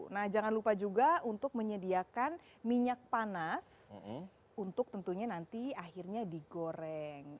nah jangan lupa juga untuk menyediakan minyak panas untuk tentunya nanti akhirnya digoreng